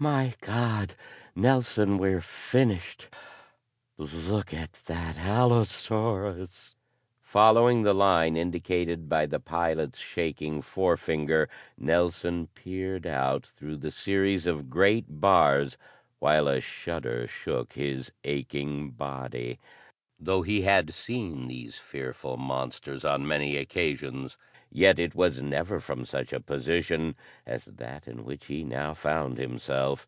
"My God, Nelson, we're finished! Look at that allosaurus!" Following the line indicated by the pilot's shaking forefinger, Nelson peered out through the series of great bars while a shudder shook his aching body. Though he had seen these fearful monsters on many occasions, yet it was never from such a position as that in which he now found himself.